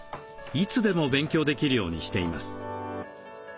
いつでも勉強できるようにしています。